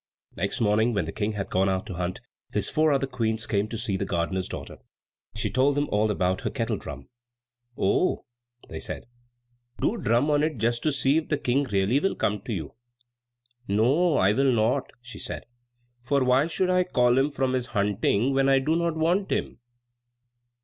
Next morning when the King had gone out to hunt, his four other Queens came to see the gardener's daughter. She told them all about her kettle drum. "Oh," they said, "do drum on it just to see if the King really will come to you." "No, I will not," she said; "for why should I call him from his hunting when I do not want him?"